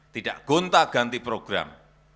tidak gonta ganti program